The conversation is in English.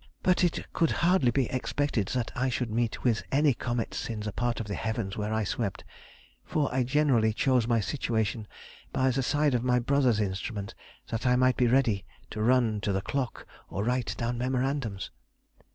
but it could hardly be expected that I should meet with any comets in the part of the heavens where I swept, for I generally chose my situation by the side of my brother's instrument, that I might be ready to run to the clock or write down memorandums.